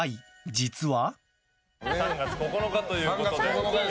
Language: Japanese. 実は。